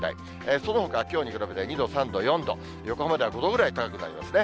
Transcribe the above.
そのほかはきょうに比べて２度、３度、４度、横浜では５度ぐらい高くなりますね。